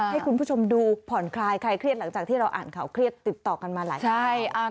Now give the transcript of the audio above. ให้คุณผู้ชมดูผ่อนคลายใครเครียดหลังจากที่เราอ่านข่าวเครียดติดต่อกันมาหลายคน